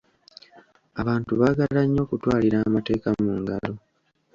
Abantu baagala nnyo okutwalira amateeka mu ngalo.